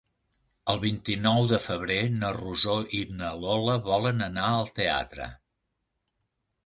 El vint-i-nou de febrer na Rosó i na Lola volen anar al teatre.